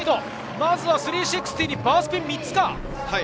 まずは３６０にバースピン３つか。